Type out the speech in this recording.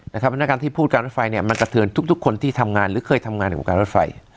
นะครับในการที่พูดการรถไฟเนี่ยมันกระเถินทุกคนที่ทำงานหรือเคยทำงานในการรถไฟ